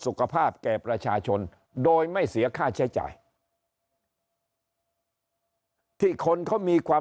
แก่ประชาชนโดยไม่เสียค่าใช้จ่ายที่คนเขามีความ